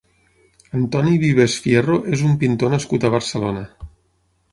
Antoni Vives Fierro és un pintor nascut a Barcelona.